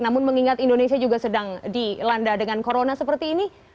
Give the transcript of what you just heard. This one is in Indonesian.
namun mengingat indonesia juga sedang dilanda dengan corona seperti ini